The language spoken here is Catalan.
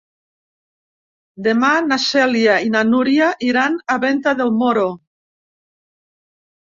Demà na Cèlia i na Núria iran a Venta del Moro.